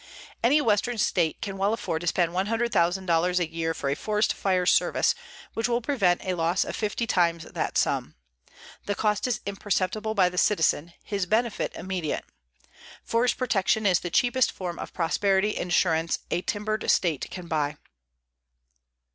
Any western state can well afford to spend $100,000 a year for a forest fire service which will prevent a loss of fifty times that sum. The cost is imperceptible by the citizen, his benefit immediate. _Forest protection is the cheapest form of prosperity insurance a timbered state can buy.